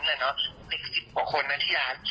หนึ่งสิบกว่าคนที่ร้าน